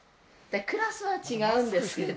クラスは違うんですけど。